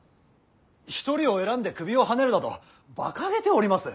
一人を選んで首をはねるなどばかげております。